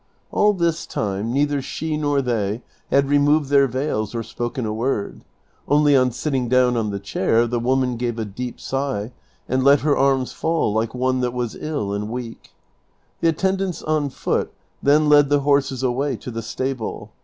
All this time neither she nor they had removed their veils or spoken a word, only on sitting down on the chair the woman gave a deep sigh and let her arms fall like one that was ill and weak. The attendants on foot then led the horses away to the stable.